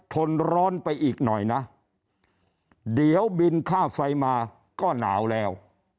ทนร้อนไปอีกหน่อยนะเดี๋ยวบินค่าไฟมาก็หนาวแล้ว